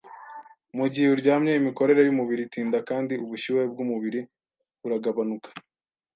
Mugihe uryamye, imikorere yumubiri itinda kandi ubushyuhe bwumubiri buragabanuka.